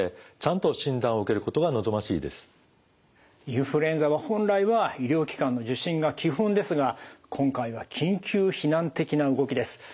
インフルエンザは本来は医療機関の受診が基本ですが今回は緊急避難的な動きです。